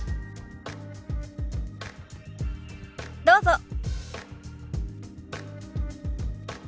どうぞ。